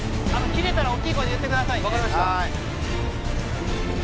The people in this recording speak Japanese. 切れたらおっきい声で言ってください。